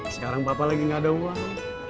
sekarang papa lagi nggak ada uang